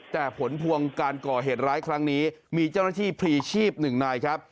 แต่ผลพวงการก่อเหตุร้ายครั้งนี้มีเจ้าหน้าที่พลีชีพหนึ่งนายครับ